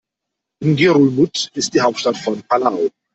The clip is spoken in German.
Ngerulmud ist die Hauptstadt von Palau.